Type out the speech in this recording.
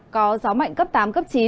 có gió mạnh cấp tám cấp chín